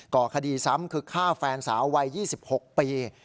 ก่อคดีซ้ำคือฆ่าแฟนสาววัย๒๖ปี